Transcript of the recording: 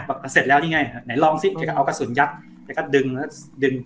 เสร็จแล้วนี่ไงไหนลองซิแกก็เอากระสุนยัดแกก็ดึงแล้วดึง